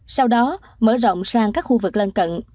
sau đó mở rộng sang các khu vực lân cận